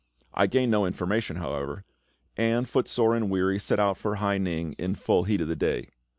I gained no information, however; and, footsore and weary, set out for Hai ning in the full heat of the day.